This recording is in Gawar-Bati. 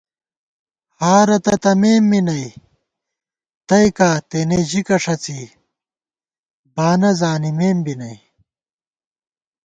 ہارہ تہ تمېم می نئ، تئیکا تېنے ژِکہ ݭڅی بانہ زانِمېم بی نئ